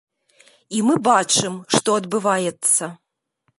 І мы бачым, што адбываецца.